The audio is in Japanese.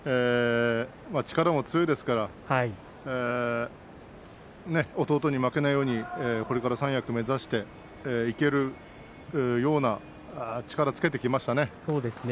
力が強いんですけども弟に負けないようにこれから三役目指していけるような力つけてきましたね。